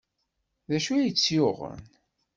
D acu ay tt-yuɣen?